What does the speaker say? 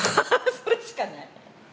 それしかない。